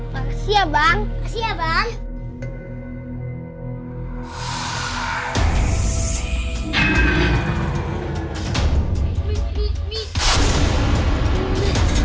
makasih ya bang